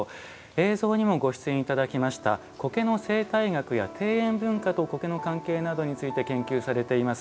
映像にもご出演いただきました苔の生態学や庭園文化と苔の関係などについて研究されています。